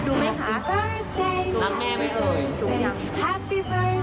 ดูไหมฮะรักแม่ไม่เคย